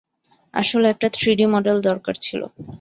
আসলে, একটা three D model দরকার ছিল।